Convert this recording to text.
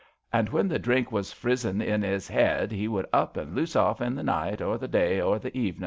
An' when the drink was frizzin' in 'is 'ead he would up and loose off in the night or the day or the evenin'.